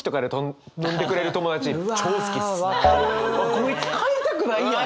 こいつ帰りたくないやん。